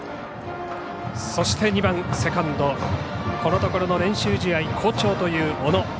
そして、２番、セカンドこのところの練習試合で好調という小野。